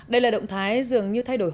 đây là động thái dường như thay đổi